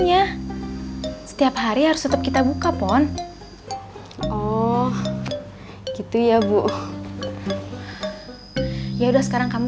jadi taman bacaan itu selain tempat anak anak belajar bersama